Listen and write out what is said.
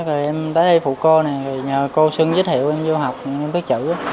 rồi em tới đây phụ cô này nhờ cô xuân giới thiệu em vô học em biết chữ